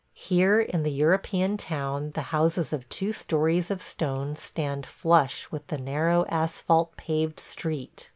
Here in the European town the houses of two stories of stone stand flush with the narrow asphalt paved street.